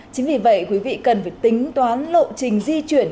chính vì vậy quý vị cần phải tính toán lộ trình di chuyển